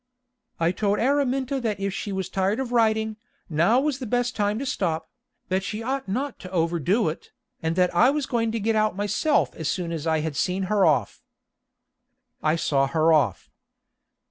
I told Araminta that if she was tired of riding, now was the best time to stop; that she ought not to overdo it, and that I was going to get out myself as soon as I had seen her off. I saw her off.